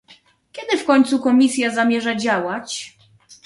Kiedy w końcu Komisja zamierza działać?